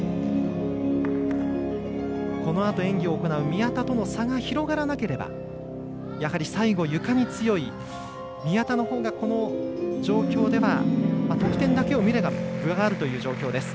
このあと演技を行う宮田との差が広がらなければやはり最後、ゆかに強い宮田のほうがこの状況では、得点だけを見れば分があるという状況です。